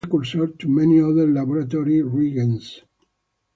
It is also the precursor to many other laboratory reagents.